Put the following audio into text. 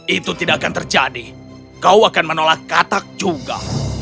itu tidak akan terjadi kau akan menolak katak juga